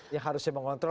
yang harusnya mengontrol